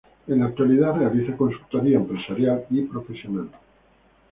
En la actualidad, realiza consultoría empresarial y profesional.